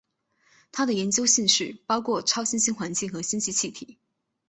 他的研究兴趣包括超新星环境和星际气体。